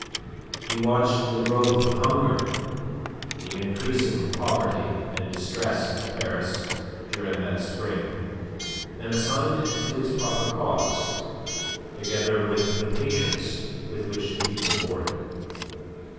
He watched the growth of hunger, the increasing poverty and distress of Paris during that spring, and assigned it to its proper cause, together with the patience with which the people bore it.